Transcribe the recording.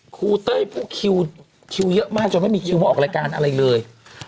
เต้ยผู้คิวคิวเยอะมากจนไม่มีคิวมาออกรายการอะไรเลย